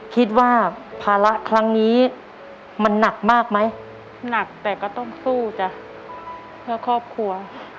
คิดว่าภาระครั้งนี้มันหนักมากไหมหนักแต่ก็ต้องสู้จ้ะเพื่อครอบครัว